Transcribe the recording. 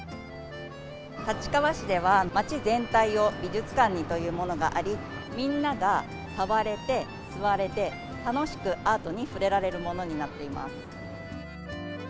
立川市では、町全体を美術館にというものがあり、みんなが触れて、座れて、楽しくアートに触れられるものになっています。